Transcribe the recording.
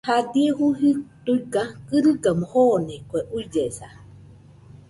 Jadie juillɨji tuiga kɨrɨgaɨmo joone kue ullesa.